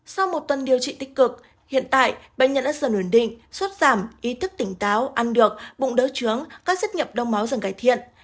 sau một tuần điều trị tích cực hiện tại bệnh nhân đã dần ổn định suốt giảm ý thức tỉnh táo ăn được bụng đỡ trướng các xét nghiệm đông máu dần cải thiện